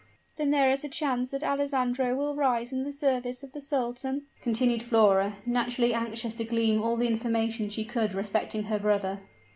"Then there is a chance that Alessandro will rise in the service of the sultan?" continued Flora, naturally anxious to glean all the information she could respecting her brother.